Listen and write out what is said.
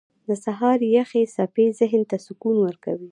• د سهار یخې څپې ذهن ته سکون ورکوي.